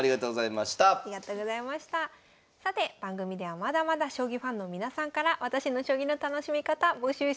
さて番組ではまだまだ将棋ファンの皆さんから「私の将棋の楽しみ方」募集します。